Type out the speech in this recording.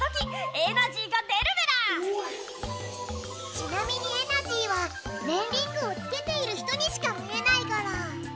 ちなみにエナジーはねんリングをつけている人にしか見えないゴロ。